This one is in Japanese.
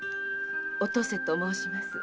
お登世と申します。